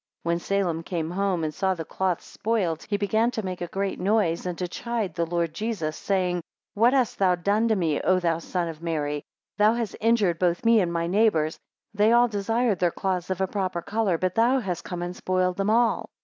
11 When Salem came home, and saw the cloths spoiled, he began to make a great noise, and to chide the Lord Jesus, saying, 12 What hast thou done to me, O thou son of Mary? Thou hast injured both me and my neighbours; they all desired their cloths of a proper colour; but thou hast come and spoiled them all.